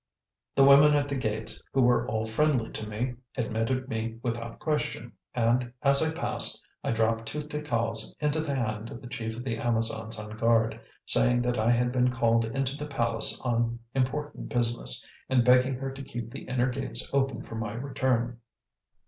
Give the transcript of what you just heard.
The women at the gates, who were all friendly to me, admitted me without question, and, as I passed, I dropped two ticals into the hand of the chief of the Amazons on guard, saying that I had been called into the palace on important business, and begging her to keep the inner gates open for my return.